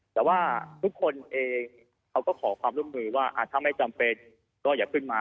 แต่ว่าทุกคนเองเขาก็ขอความร่วมมือว่าถ้าไม่จำเป็นก็อย่าขึ้นมา